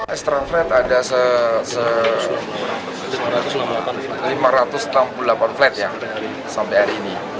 extra flight ada lima ratus enam puluh delapan flat sampai hari ini